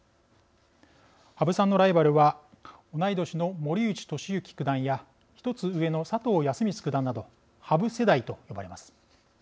羽生さんのライバルは同い年の森内俊之九段や１つ上の佐藤康光九段など羽生世代と呼ばれます。